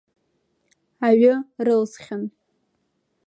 Аҩы рылсхьан.